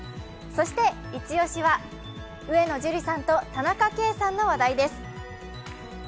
そしてイチ押しは上野樹里さんと田中圭さんの話題です。